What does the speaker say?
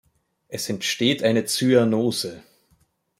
Es entsteht eine Zyanose.